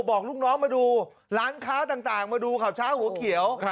บอกลูกน้องมาดูร้านค้าต่างมาดูข่าวเช้าหัวเขียว